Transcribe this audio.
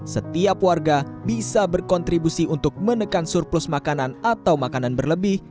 setiap warga bisa berkontribusi untuk menekan surplus makanan atau makanan berlebih